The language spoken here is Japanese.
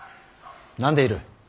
何でいる。